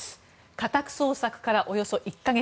家宅捜索からおよそ１か月。